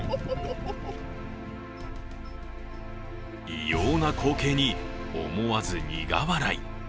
異様な光景に、思わず苦笑い。